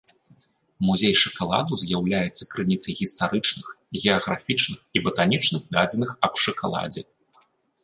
Музей шакаладу з'яўляецца крыніцай гістарычных, геаграфічных і батанічных дадзеных аб шакаладзе.